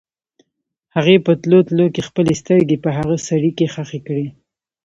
هغې په تلو تلو کې خپلې سترګې په هغه سړي کې ښخې کړې.